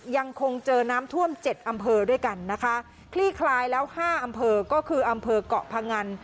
ยังคงเจอน้ำท่วมเจ็ดอำเภอด้วยกันนะคะคลี่คลายแล้วห้าอำเภอก็คืออำเภอกเกาะพงัน